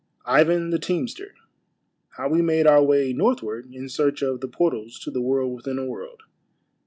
— IVAN THE TEAMSTER. — HOW WE MADE OUR WAY NORTHWARD IN SEARCH OF THE PORTALS TO THE WORLD WITHIN A WORLD.